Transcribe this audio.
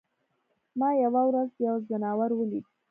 ما یوه ورځ یو ځناور ولید.